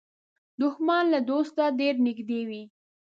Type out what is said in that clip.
دښمن له دوسته ډېر نږدې وي